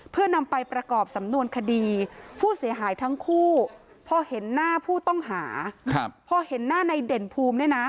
เพื่อนำไปประกอบสำนวนคดีผู้เสียหายทั้งคู่